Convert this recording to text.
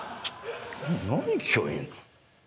「何聞きゃいいんだ」